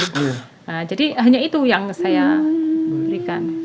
nah jadi hanya itu yang saya berikan